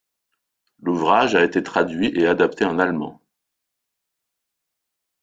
L'ouvrage a été traduit et adapté en allemand.